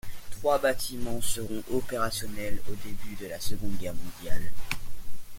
Trois bâtiments seront opérationnels au début de la Seconde Guerre mondiale.